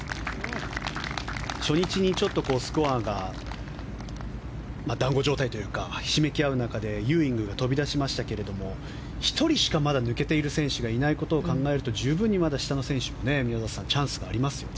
初日にスコアが団子状態というかひしめき合う中でユーイングが飛び出しましたが１人しかまだ抜けていないことを考えると十分に下の選手も宮里さんチャンスがありますね。